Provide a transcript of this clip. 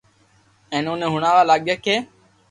ھين اوني ھڻاوا لاگيا ڪي